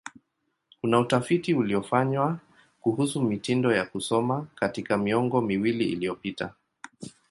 Kuna utafiti uliofanywa kuhusu mitindo ya kusoma katika miongo miwili iliyopita.